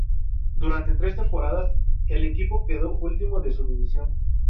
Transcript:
Durante tres temporadas el equipo quedó último de su división.